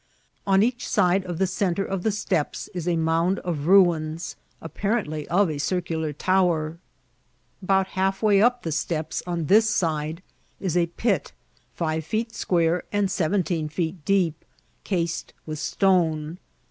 On each side of the centre of the steps is a mound of ruins, apparently of a circular tower. About half way up the steps on this 144 IHCID8HT8 OF TRATBL* side is a pit five feet square and seventeen feet deepi eased with stone.